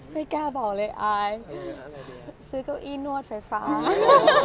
เห็นว่าของขวัญทุกปีจะค่อนข้างหายาก